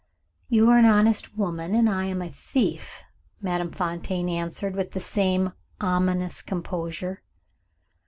"You are an honest woman, and I am a thief," Madame Fontaine answered, with the same ominous composure.